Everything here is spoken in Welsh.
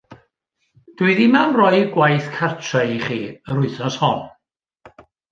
Dw i ddim am roi gwaith cartref i chi yr wythnos hon.